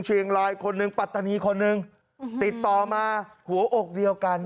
เชียงรายคนหนึ่งปัตตานีคนหนึ่งติดต่อมาหัวอกเดียวกัน